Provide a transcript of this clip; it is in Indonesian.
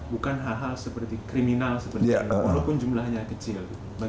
bukan hal hal seperti kriminal walaupun jumlahnya kecil